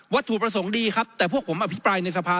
ถูกประสงค์ดีครับแต่พวกผมอภิปรายในสภา